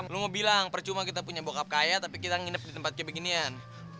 lu mau bilang percuma kita punya bokap kaya tapi kita nginep di tempat kayak beginian